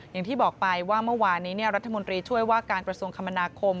อย่างที่บอกไปว่าเมื่อวานนี้รัฐมนตรีช่วยว่าการกระทรวงคมนาคม